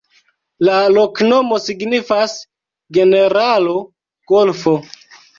La loknomo signifas: generalo-golfo.